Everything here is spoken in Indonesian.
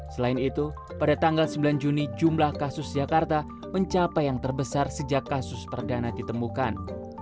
selain itu pada tanggal sembilan juni jumlah kasus jakarta mencapai yang terbesar sejak kasus perdana ditemukan